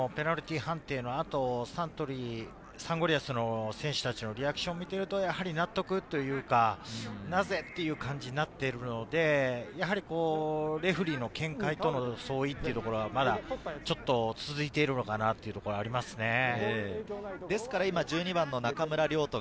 今のペナルティー判定のあとサンゴリアスの選手たちのリアクションを見ていると、やはり納得というか、なぜっていう感じになっているので、やはりレフェリーの見解との相違というところが、まだちょっと続いてるのかなっていうところがありますね。